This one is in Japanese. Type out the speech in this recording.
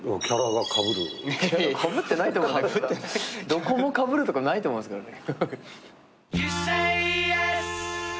どこもかぶるとこないと思いますけどね。